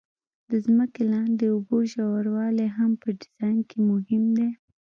د ځمکې لاندې اوبو ژوروالی هم په ډیزاین کې مهم دی